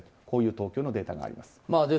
こういう東京のデータがあります。